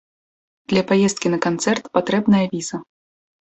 Для паездкі на канцэрт патрэбная віза.